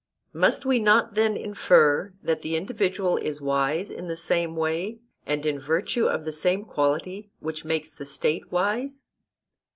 Must we not then infer that the individual is wise in the same way, and in virtue of the same quality which makes the State wise?